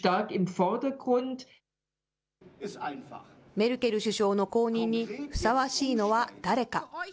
メルケル首相の後任にふさわしいのは誰か。